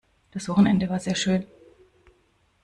Das Wochenende war sehr schón.